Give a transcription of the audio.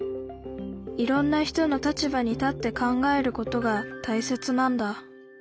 いろんな人の立場に立って考えることが大切なんだ